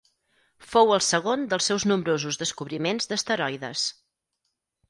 Fou el segon dels seus nombrosos descobriments d'asteroides.